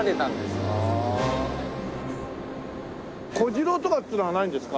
小次郎とかっていうのはないんですか？